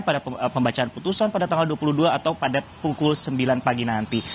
pada pembacaan putusan pada tanggal dua puluh dua atau pada pukul sembilan pagi nanti